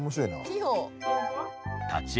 器用。